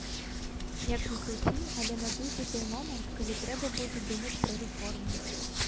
Як ні круці, але надыдзе той момант, калі трэба будзе думаць пра рэформы.